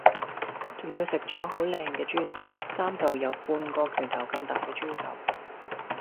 仲要食左好靚既豬手三舊有半個拳頭咁大既豬手